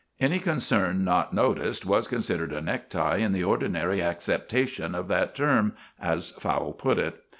Any concern not noticed was considered a necktie "in the ordinary acceptation of that term," as Fowle put it.